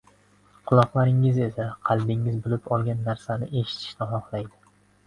Quloqlaringiz esa, qalbingiz bilib olgan narsani eshitishni xohlaydi.